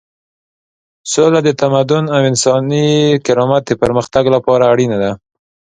سوله د تمدن او انساني کرامت د پرمختګ لپاره اړینه ده.